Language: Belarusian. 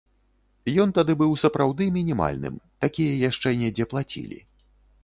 Ён тады быў сапраўды мінімальным, такія яшчэ недзе плацілі.